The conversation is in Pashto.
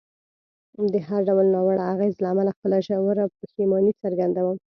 د هر ډول ناوړه اغېز له امله خپله ژوره پښیماني څرګندوم.